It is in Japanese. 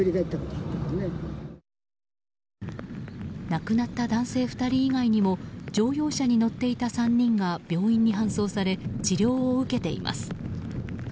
亡くなった男性２人以外にも乗用車に乗っていた３人が病院に搬送され治療を受けています。